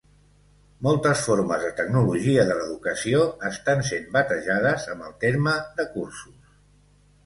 Moltes formes de tecnologia de l’educació estan sent batejades amb el terme de cursos.